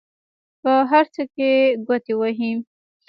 په هر څه کې ګوتې وهي.